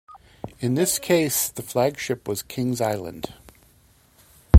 In this case, the flagship was Kings Island.